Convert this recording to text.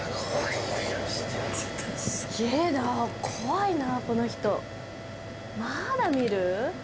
すげえな怖いなこの人まだ見る？